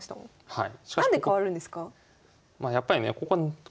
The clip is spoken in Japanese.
はい。